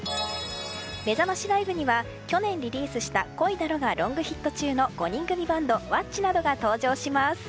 めざましライブには去年リリースした「恋だろ」がロングヒット中の５人組バンドｗａｃｃｉなどが登場します。